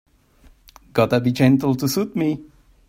Gotta be gentle to suit me.